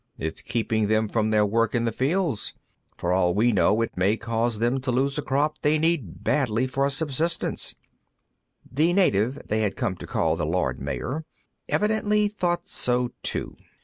"It's keeping them from their work in the fields. For all we know, it may cause them to lose a crop they need badly for subsistence." The native they had come to call the Lord Mayor evidently thought so, too.